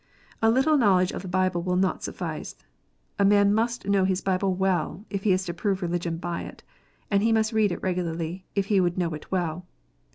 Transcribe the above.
A little knowledge of the Bible will not suffice. A man must know his Bible well, if he is to prove religion by it ; and he must read it regularly, if he would know it well.